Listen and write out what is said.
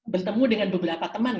bertemu dengan beberapa teman